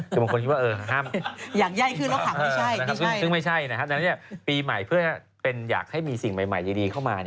ก็มันคิดว่าเออห้ามซึ่งไม่ใช่นะครับเนี่ยปีใหม่เพื่อเป็นอยากให้มีสิ่งใหม่ดีเข้ามาเนี่ย